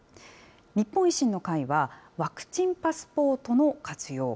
日本維新の会は、ワクチンパスポートの活用。